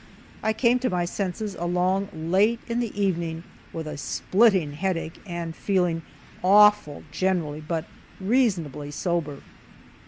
I came to my senses along late in the evening, with a splitting headache, and feeling awful generally, but reasonably sober.